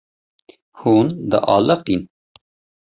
Hûn dialiqîn.